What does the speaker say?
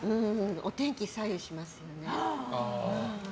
お天気、左右しますよね。